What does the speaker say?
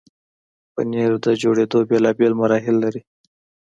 پنېر د جوړېدو بیلابیل مراحل لري.